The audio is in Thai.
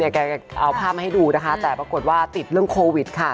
เนะแกเอาความไหมให้ดูนะคะแต่ปรากฏว่าติดค่ะ